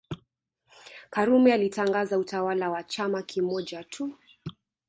Karume alitangaza utawala wa chama kimoja tu